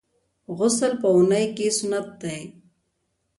غسل په اونۍ کي سنت دی.